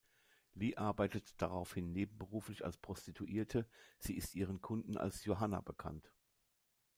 Lee arbeitet daraufhin nebenberuflich als Prostituierte, sie ist ihren Kunden als "Johanna" bekannt.